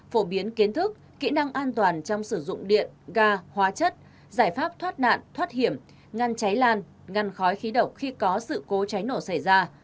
phổ biến kiến thức kỹ năng an toàn trong sử dụng điện ga hóa chất giải pháp thoát nạn thoát hiểm ngăn cháy lan ngăn khói khí độc khi có sự cố cháy nổ xảy ra